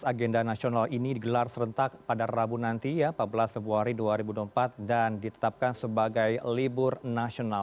agenda nasional ini digelar serentak pada rabu nanti empat belas februari dua ribu dua puluh empat dan ditetapkan sebagai libur nasional